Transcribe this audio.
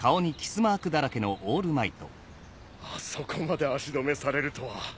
あそこまで足止めされるとは。